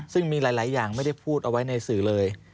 ซึ่งมีหลายอย่างไม่ได้พูดเอาไว้ในสื่อเลย